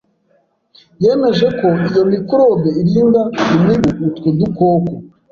yemeje ko iyo microbe irinda imibu utwo dukoko.